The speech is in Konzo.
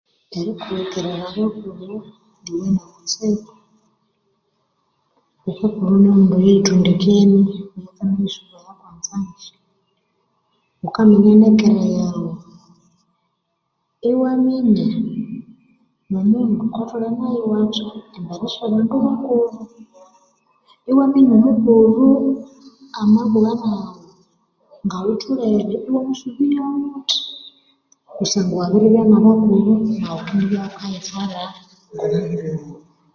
Poor voice